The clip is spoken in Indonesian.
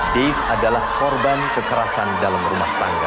dave adalah korban kekerasan dalam rumah tangga